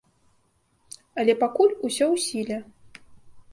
Але пакуль усё ў сіле.